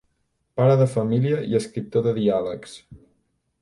Pare de família i escriptor de diàlegs.